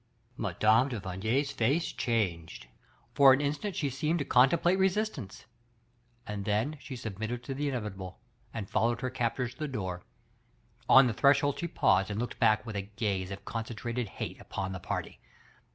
Mme. de Vigny's face changed ; for an instant she seemed to contemplate resistance, and then she submitted to the inevitable, and followed her captors to the door. On the threshold she paused and looked back with a gaze of concen trated hate upon the party.